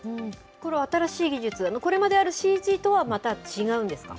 これ、新しい技術、これまでのＣＧとはまた違うんですか。